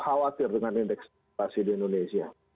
khawatir dengan indeks pasir di indonesia